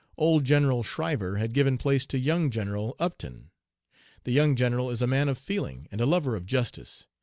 Old General Schriver had given place to young General Upton. The young general is a man of feeling and a lover of justice.